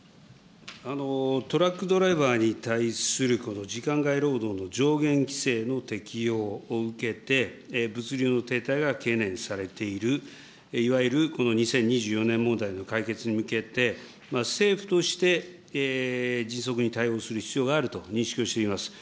トラックドライバーに対するこの時間外労働の上限規制の適用を受けて、物流の停滞が懸念されている、いわゆるこの２０２４年問題の解決に向けて、政府として迅速に対応する必要があると認識をしています。